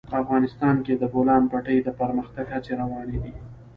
افغانستان کې د د بولان پټي د پرمختګ هڅې روانې دي.